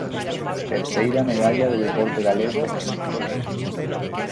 Terceira medalla do deporte galego en Toquio.